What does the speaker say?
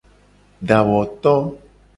Dawoto.